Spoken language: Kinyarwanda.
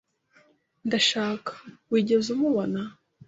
Ndashaka . Wigeze umubona?